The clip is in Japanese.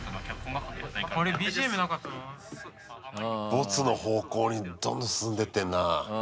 ボツの方向にどんどん進んでってんな。